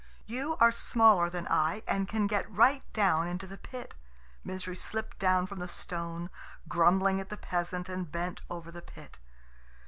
You are smaller than I, and can get right down into the pit...." Misery slipped down from the stone, grumbling at the peasant, and bent over the pit.